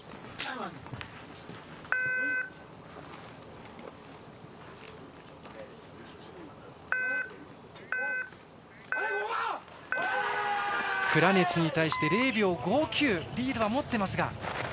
ジャン・クラニェツに対して０秒５９のリードは持ってますが。